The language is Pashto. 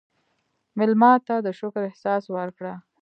مېلمه ته د شکر احساس ورکړه.